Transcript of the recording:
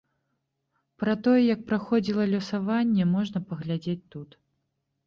Пра тое, як праходзіла лёсаванне, можна паглядзець тут.